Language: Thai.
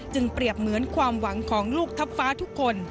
เปรียบเหมือนความหวังของลูกทัพฟ้าทุกคน